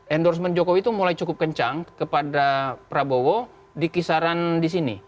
endorsement jokowi itu mulai cukup kencang kepada prabowo di kisaran di sini